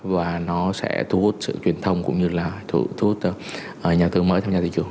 và nó sẽ thu hút sự truyền thông cũng như là thu hút nhà thương mới tham gia thị trường